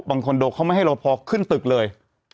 คอนโดเขาไม่ให้รอพอขึ้นตึกเลย